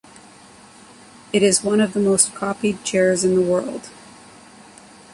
It is one of the most copied chairs in the world.